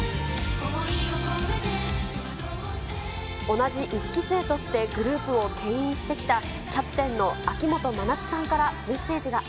同じ１期生として、グループをけん引してきたキャプテンの秋元真夏さんからメッセージが。